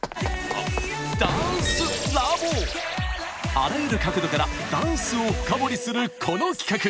あらゆる角度からダンスを深掘りする、この企画。